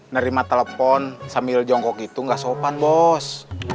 dari mata telepon sambil jongkok gitu nggak sopan bos